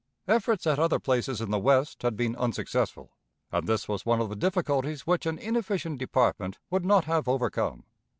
Efforts at other places in the West had been unsuccessful, and this was one of the difficulties which an inefficient department would not have overcome.